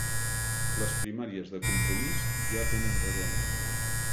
Les primàries de Compromís ja tenen reglament